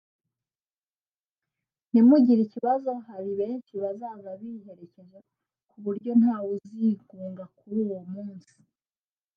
“ntimugire ikibazo hari benshi bazaza biherekeje ku buryo ntawe uzigunga kuri uwo munsi